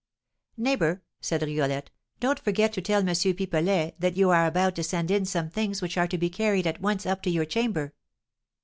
"Neighbour," said Rigolette, "don't forget to tell M. Pipelet that you are about to send in some things which are to be carried at once up to your chamber."